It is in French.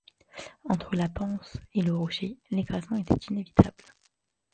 Entre la panse et le rocher l’écrasement était inévitable.